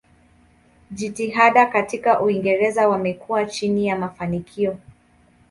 Jitihada katika Uingereza wamekuwa chini ya mafanikio.